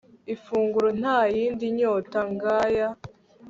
ifunguro, nta yindi nyota ng'aya